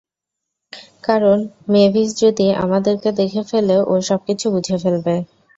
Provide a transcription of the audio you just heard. কারণ মেভিস যদি আমাদেরকে দেখে ফেলে ও সবকিছু বুঝে ফেলবে।